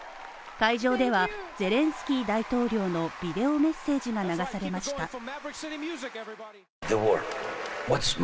会場ではゼレンスキー大統領のビデオメッセージが流されました。